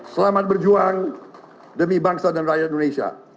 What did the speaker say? selamat berjuang demi bangsa dan rakyat indonesia